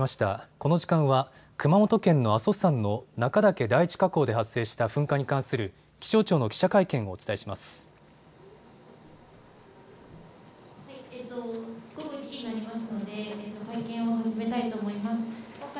この時間は熊本県の阿蘇山の中岳第一火口で発生した噴火に関する気象庁の記者会見をお伝えします。